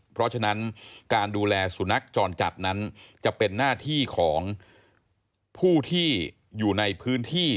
เพราะฉะนั้นการดูแลสุนัขจรจัดนั้นจะเป็นหน้าที่ของผู้ที่อยู่ในพื้นที่